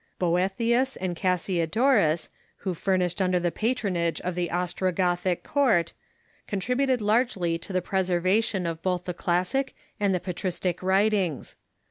Boethius and Cas siodorus, Avho flourished under the patronage of the Ostro gothic court, contributed largely to the preservation of both the classic and the patristic Avritings.